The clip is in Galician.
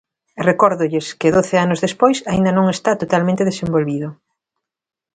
E recórdolles que doce anos despois aínda non está totalmente desenvolvido.